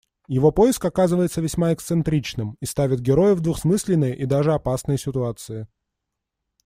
Его поиск оказывается весьма эксцентричным и ставит героя в двусмысленные и даже опасные ситуации.